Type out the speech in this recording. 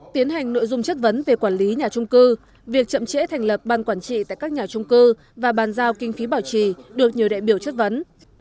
tiến hành nội dung chất vấn về quản lý nhà trung cư việc chậm trễ thành lập ban quản trị tại các nhà trung cư và bàn giao kinh phí bảo trì được nhiều đại biểu chất vấn